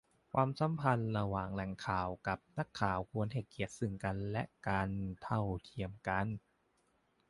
ความสัมพันธ์ระหว่างแหล่งข่าวกับนักข่าวควรให้เกียรติซึ่งกันและกัน เท่าเทียมกัน